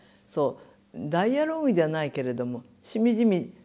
ダイアローグじゃないけれどもしみじみ細々伝わっていく。